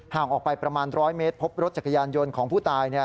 ออกไปประมาณ๑๐๐เมตรพบรถจักรยานยนต์ของผู้ตาย